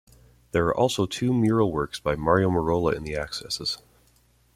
There are also two mural works by Mario Merola in the accesses.